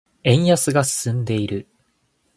円安が進んでいる。